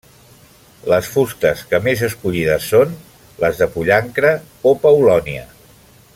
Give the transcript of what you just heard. Les fustes que més escollides són les de pollancre o paulònia.